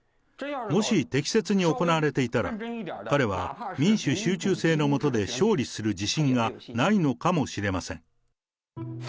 もし適切に行われていたら、彼は民主集中制の下で勝利する自信がないのかもしれません。